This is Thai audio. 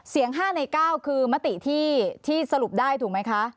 ๕ใน๙คือมติที่สรุปได้ถูกไหมคะ